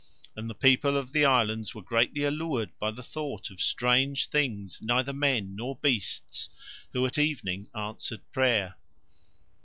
'" And the people of the Islands were greatly allured by the thought of strange things neither men nor beasts who at evening answered prayer.